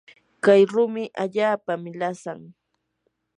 kay rumi allaapami lasan.